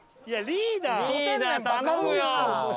リーダー頼むよ！